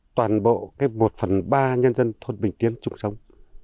toàn bộ một phần ba nhân dân thôn bình tiến trụ sống